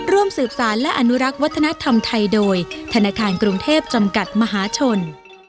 ร่วมสืบสารและอนุรักษ์วัฒนธรรมไทยโดยธนาคารกรุงเทพจำกัดมหาชน